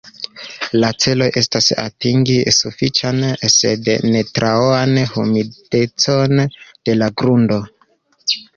La celo estas atingi sufiĉan sed ne troan humidecon de la grundo.